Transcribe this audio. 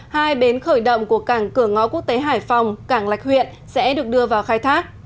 hai bến khởi động của cảng cửa ngõ quốc tế hải phòng cảng lạch huyện sẽ được đưa vào khai thác